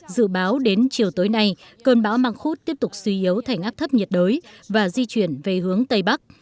dự báo đến chiều tối nay cơn bão măng khuốt tiếp tục suy yếu thành áp thấp nhiệt đới và di chuyển về hướng tây bắc